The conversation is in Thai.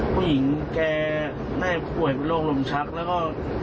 ผู้หญิงแก่หน้าผู้ป่วยเป็นโรคลมชักและก็